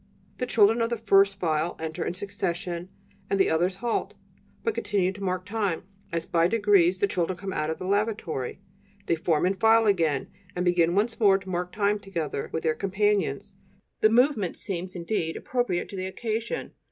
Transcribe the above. The children of the first file enter in succession and the others halt, but continue to mark time; as by degrees the children come out of the lavatory, they form in file again, and begin once more to mark time together with their companions. The movement seems, indeed, appropriate to the occasion.